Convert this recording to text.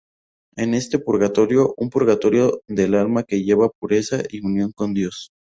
Es este purgatorio, un purgatorio del alma, que lleva pureza y unión con Dios.